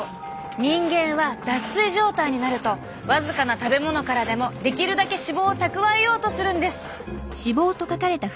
人間は脱水状態になると僅かな食べ物からでもできるだけ脂肪を蓄えようとするんです。